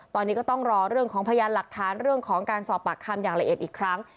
ตอนนี้ก็ต้องรอเรื่องของพยานหลักฐานเรื่องของการสอบปากคำอย่างละเอียดอีกครั้ง